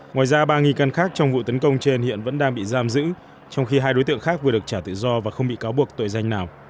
ngoài ra ba nghi can khác trong vụ tấn công trên hiện vẫn đang bị giam giữ trong khi hai đối tượng khác vừa được trả tự do và không bị cáo buộc tội danh nào